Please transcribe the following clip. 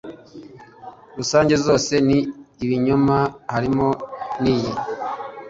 Rusange zose ni ibinyoma, harimo n'iyi.